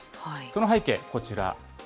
その背景、こちら。